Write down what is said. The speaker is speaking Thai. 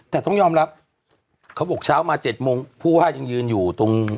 แต่ต้องยอมรับเขาบอกเช้ามา๗โมงผู้ว่ายังยืนอยู่ตรง